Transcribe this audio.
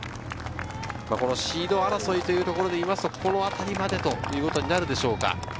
シード争いというところでいうと、この辺りまでということになるでしょうか。